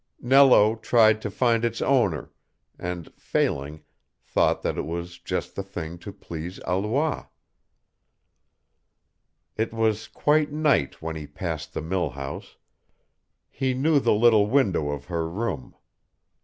Nello tried to find its owner, and, failing, thought that it was just the thing to please Alois. It was quite night when he passed the mill house: he knew the little window of her room.